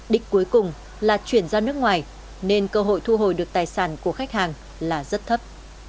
đích cuối cùng là chuyển ra nước ngoài nên cơ hội thu hồi được tài sản của khách hàng là rất thấp